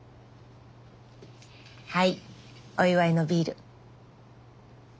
はいお祝いのビール。